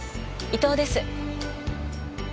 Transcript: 伊東です。